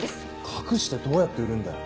隠してどうやって売るんだよ？